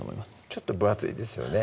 ちょっと分厚いですよね